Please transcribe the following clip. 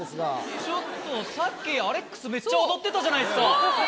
ちょっとさっきアレックスめっちゃ踊ってたじゃないですか！